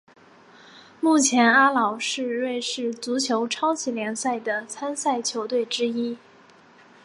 目前阿劳是瑞士足球超级联赛的参赛球队之一。